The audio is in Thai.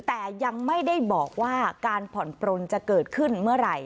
แต่ยังไม่ได้บอกว่าการผ่อนปลนจะเกิดขึ้นเมื่อไหร่